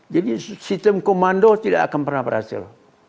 jadi sistem komando tidak akan pernah berhasil